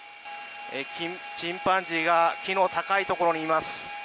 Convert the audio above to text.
チンパンジーが木の高いところにいます。